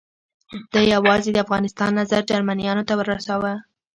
ده یوازې د افغانستان نظر جرمنیانو ته ورساوه.